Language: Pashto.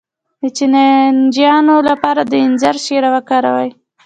د چینجیانو لپاره د انځر شیره وکاروئ